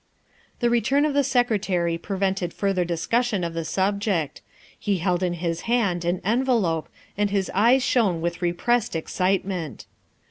The return of the Secretary prevented further dis cussion of the subject. He held in his hand an envelope and his eyes shone with repressed excitement.